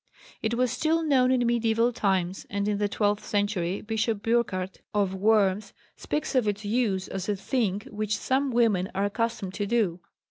It was still known in medieval times, and in the twelfth century Bishop Burchard, of Worms, speaks of its use as a thing "which some women are accustomed to do."